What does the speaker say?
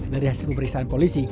dari hasil pemeriksaan polisi